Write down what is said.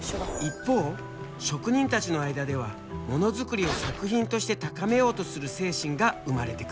一方職人たちの間ではもの作りを作品として高めようとする精神が生まれてくる。